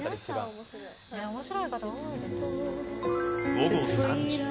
午後３時。